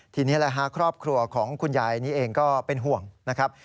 ทีนี้แหละฮะครอบครัวของคุณยายนี้เองก็เป็นห่วงนะครับ